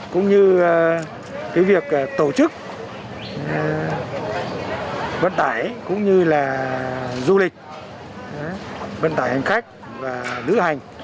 cũng như việc tổ chức vận tải cũng như là du lịch vận tải hành khách lưu hành